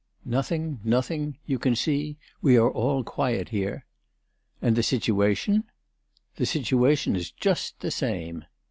"Nothing, nothing. You can see, we are all quiet here." "And the situation?" "The situation is just the same."